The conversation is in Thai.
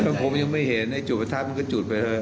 จุดประทับผมยังไม่เห็นไอ้จุดประทับมันก็จุดไปเถอะฮะ